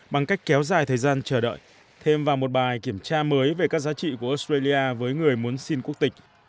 bằng cách kéo dài thời gian chờ đợi thêm vào một bài kiểm tra mới về các giá trị của australia với người muốn xin quốc tịch